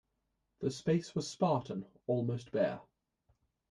The space was spartan, almost bare.